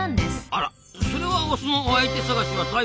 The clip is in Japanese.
あらそれはオスのお相手探しは大変ですなあ。